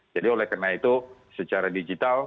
jadi oleh karena itu secara digital